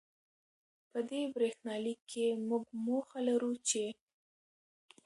په دې برېښنالیک کې، موږ موخه لرو چې